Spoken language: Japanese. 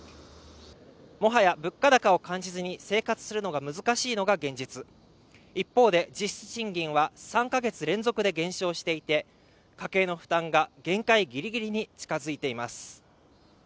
もはや物価高を感じずに生活するのが難しいのが現実一方で実質賃金は３か月連続で減少していて家計の負担が限界ギリギリに近づいています